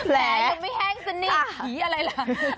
แผลยังไม่แห้งสินี่อี๋อะไรละ